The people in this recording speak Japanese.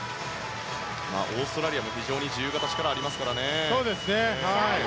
オーストラリアも非常に自由形、力があります。